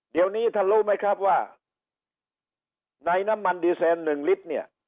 เดี๋ยวนี้ท่านรู้ไหมครับว่าในน้ำมันดีเซน๑ลิตรเนี่ย